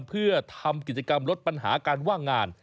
เพื่อทำกิจกรรมลดปัญหาการว่างงาน